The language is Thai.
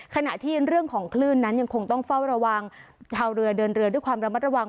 ขณะที่เรื่องของคลื่นนั้นยังคงต้องเฝ้าระวังชาวเรือเดินเรือด้วยความระมัดระวัง